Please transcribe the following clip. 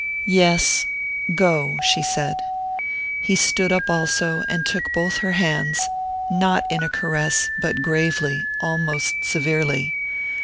"Yes go," she said. He stood up also, and took both her hands, not in a caress, but gravely, almost severely.